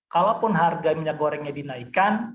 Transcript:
kalaupun harga minyak gorengnya dinaikkan